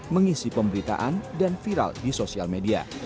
mengisi pemberitaan dan viral di sosial media